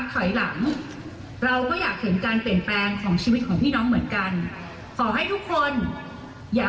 แสนสไลด์ที่เชียงใหม่ได้ไหมคะ